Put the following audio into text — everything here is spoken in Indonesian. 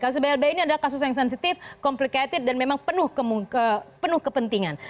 kasus blbi ini adalah kasus yang sensitif complicated dan memang penuh kepentingan